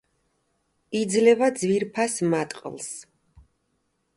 იძლევა ძვირფას მატყლს.